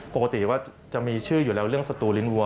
ปกติว่าจะมีชื่ออยู่แล้วเรื่องสตูลิ้นวั